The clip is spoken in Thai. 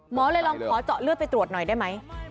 เลยลองขอเจาะเลือดไปตรวจหน่อยได้ไหม